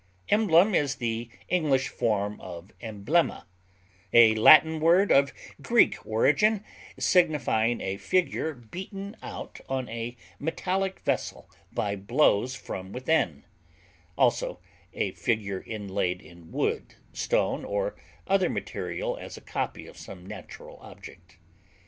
Emblem is the English form of emblema, a Latin word of Greek origin, signifying a figure beaten out on a metallic vessel by blows from within; also, a figure inlaid in wood, stone, or other material as a copy of some natural object.